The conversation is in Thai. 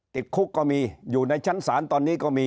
ติดคุกก็มีอยู่ในชั้นศาลตอนนี้ก็มี